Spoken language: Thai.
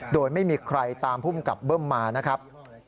โดยไม่มีใครตามภูมิกับเบิ้มมานะครับ